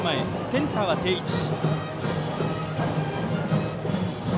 センターは定位置。